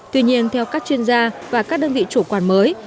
tuy nhiên theo các chuyên gia và các đơn vị chủ quản mới